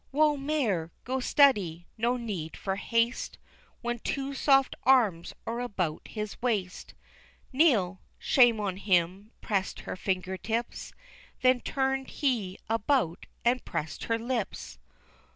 Whoa mare! go steady! no need for haste When two soft arms are about his waist; Neil, shame on him, pressed her finger tips, Then turned he about and pressed her lips!